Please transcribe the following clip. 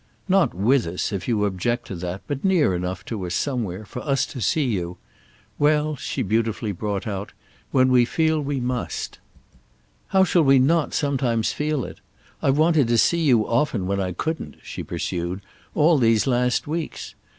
"Not 'with' us, if you object to that, but near enough to us, somewhere, for us to see you—well," she beautifully brought out, "when we feel we must. How shall we not sometimes feel it? I've wanted to see you often when I couldn't," she pursued, "all these last weeks.